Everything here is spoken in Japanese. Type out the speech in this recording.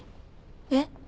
えっ？